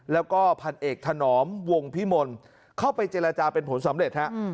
แล้วก็พันเอกถนอมวงพิมลเข้าไปเจรจาเป็นผลสำเร็จฮะ